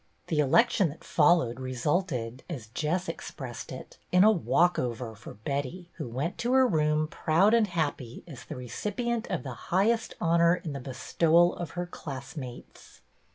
The election that followed re sulted, as Jess expressed it, in a " walk over" for Betty, who went to her room proud and happy as the recipient of the highest honor in the bestowal of her class mates.